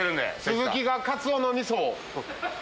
鈴木がカツオの味噌を。